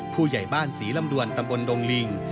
ผู้ใหญ่บ้านศรีลำดวนตำบลดงลิง